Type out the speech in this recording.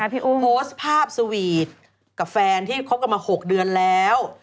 โพสต์ภาพสวีทกับแฟนที่คบกันมา๖เดือนแล้ว